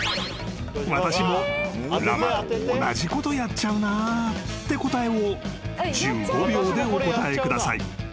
［私もラマと同じことやっちゃうなって答えを１５秒でお答えください］